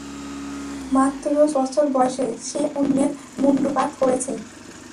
মাত্র চৌদ্দ বছর বয়সে সে অন্যের মুন্ডুপাত করেছে।